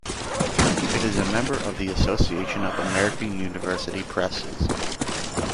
It is a member of the Association of American University Presses.